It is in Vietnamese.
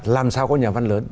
làm sao có nhà văn lớn